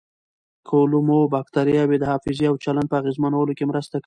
کولمو بکتریاوې د حافظې او چلند په اغېزمنولو کې مرسته کوي.